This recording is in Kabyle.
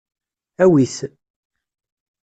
Awi-t.